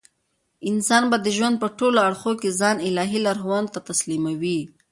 انسان به د ژوند په ټولو اړخو کښي ځان الهي لارښوونو ته تسلیموي.